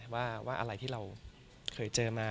ว่าอะไรที่เราเคยเจอมา